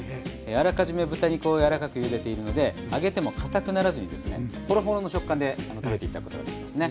あらかじめ豚肉をやわらかくゆでているので揚げてもかたくならずにですねほろほろの食感で食べて頂くことができますね。